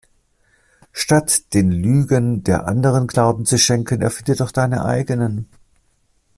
Statt den Lügen der Anderen Glauben zu schenken erfinde doch deine eigenen.